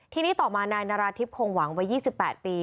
ทีนี้ต่อมานายนาราธิบคงหวังวัย๒๘ปี